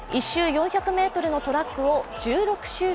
１周４００ｍのトラックを１６周